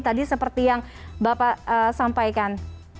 tadi seperti yang bapak sampaikan